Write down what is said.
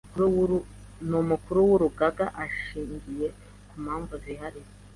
n Umukuru w Urugaga ashingiye ku mpamvu zihariye